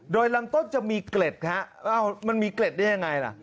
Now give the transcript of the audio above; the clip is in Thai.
โดยลำต้นจะมีเกล็ดฮะมันมีเกล็ดได้ยังไงล่ะ